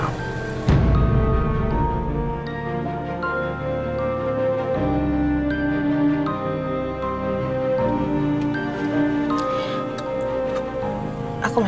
aku masuk dulu ya